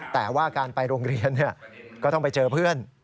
แต่ว่าการไปโรงเรียนก็ต้องไปเจอเพื่อน